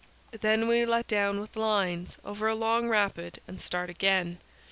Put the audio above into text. Then we let down with lines over a long rapid and start again.